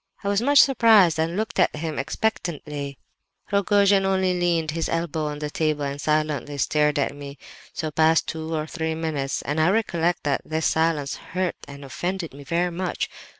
"I was much surprised, and looked at him expectantly. "Rogojin only leaned his elbow on the table and silently stared at me. So passed two or three minutes, and I recollect that his silence hurt and offended me very much.